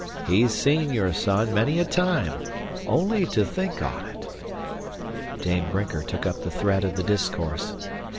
He's seen your son many a time only to think on't!" Dame Brinker took up the thread of the discourse.